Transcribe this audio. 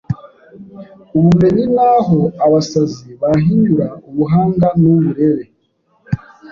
ubumenyi naho abasazi bahinyura ubuhanga n’uburere.